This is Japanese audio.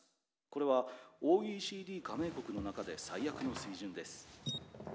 これはＯＥＣＤ加盟国の中で最悪の水準です」。